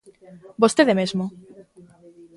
Vostede mesmo.